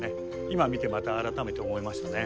今見てまた改めて思いましたね。